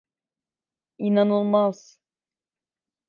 İnanılmaz.